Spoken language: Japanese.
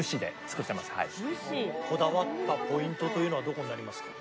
こだわったポイントというのはどこになりますか？